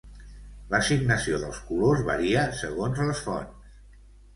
L'assignació dels colors varia segons les fonts.